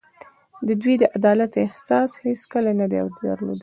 دوی د عدالت احساس هېڅکله نه دی درلودلی.